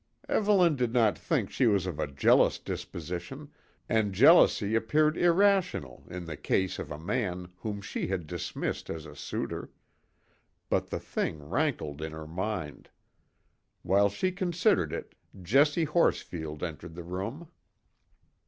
Evelyn did not think she was of a jealous disposition, and jealousy appeared irrational in the case of a man whom she had dismissed as a suitor; but the thing rankled in her mind. While she considered it, Jessie Horsfield entered the room.